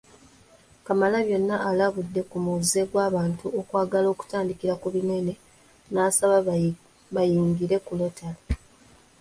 Kamalabyonna alabudde ku muze gw’abantu okwagala okutandikira ku binene n’asaba bayigire ku Rotary